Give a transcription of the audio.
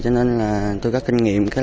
cho nên tôi có kinh nghiệm